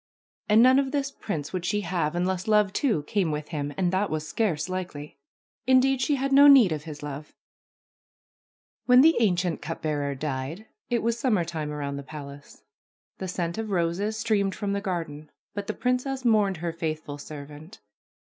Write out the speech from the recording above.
And none of this prince would she have unless love, too, came with him, and that was scarce likely. Indeed, she had no need of his love ! When the ancient cup bearer died it was summertime around the palace. The scent of roses streamed from the garden. But the princess mourned her faithful servant.